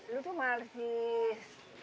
lu tuh mahal sih